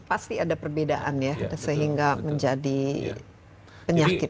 pasti ada perbedaan ya sehingga menjadi penyakit